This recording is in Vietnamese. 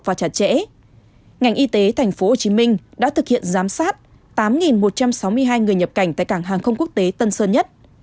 trước đó tp hcm đã thực hiện giám sát tám một trăm sáu mươi hai người nhập cảnh tại cảng hàng không quốc tế tân sơn nhất